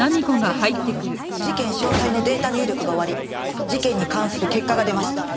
つい先ほど事件詳細のデータ入力が終わり事件に関する結果が出ました。